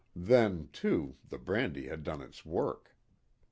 Then, too, the brandy had done its work.